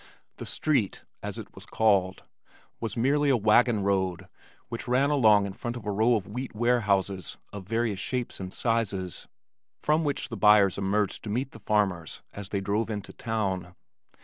"The Street," as it was called, was merely a wagon road which ran along in front of a row of wheat ware houses of various shapes and sizes, from which the buyers emerged to meet the farmers as they drove into town.